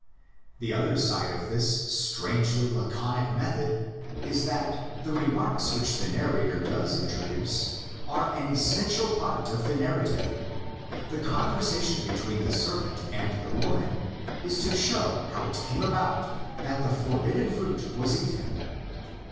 The other side of this strangely laconic method is that the remarks which the narrator does introduce are an essential part of the narrative. The conver sation between the serpent and the woman is to show how it came about that the forbidden fruit was eaten.